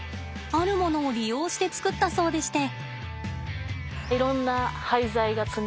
あるものを利用して作ったそうでして。